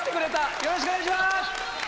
よろしくお願いします！